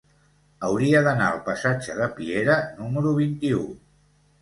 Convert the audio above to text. Hauria d'anar al passatge de Piera número vint-i-u.